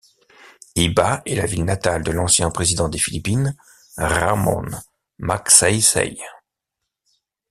Iba est la ville natale de l'ancien Président des Philippines, Ramon Magsaysay.